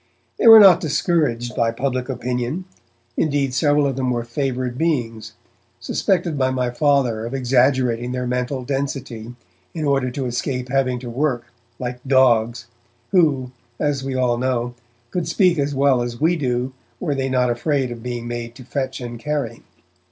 They were not discouraged by public opinion; indeed, several of them were favoured beings, suspected by my Father of exaggerating their mental density in order to escape having to work, like dogs, who, as we all know, could speak as well as we do, were they not afraid of being made to fetch and carry.